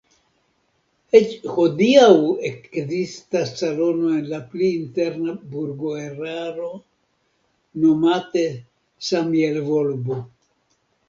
Eĉ hodiaŭ ekzistas salono en la pli interna burgoeraro nome "Samielvolbo".